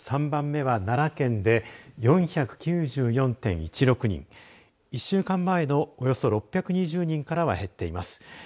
３番目は奈良県で４９４．１６人１週間前のおよそ６２０人からは減っています。